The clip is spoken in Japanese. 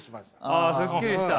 あすっきりした？